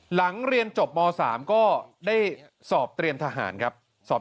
หลังเรียนจบม๓ก็ได้สอบเตรียมทหารครับ